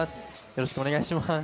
よろしくお願いします。